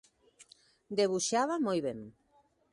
Debuxaba moi ben.